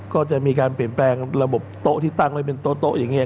ก็จะมีการเปลี่ยนแปลงระบบโต๊ะที่ตั้งไว้เป็นโต๊ะอย่างนี้